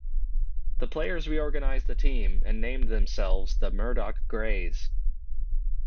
The players reorganized the team and named themselves the Murdock Grays.